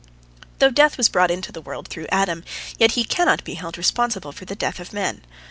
" Though death was brought into the world through Adam, yet he cannot be held responsible for the death of men.